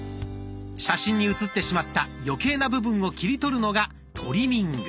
写真に写ってしまった余計な部分を切り取るのがトリミング。